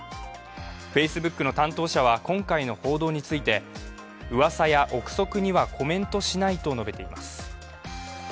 Ｆａｃｅｂｏｏｋの担当者は今回の報道についてうわさや臆測にはコメントしないと述べています。